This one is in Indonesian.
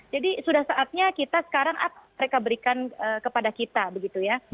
jadi sudah saatnya kita sekarang apa mereka berikan kepada kita begitu ya